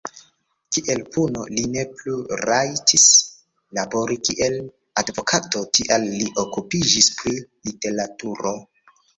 Kiel puno, li ne plu rajtis labori, kiel advokato, tial li okupiĝis pri literaturo.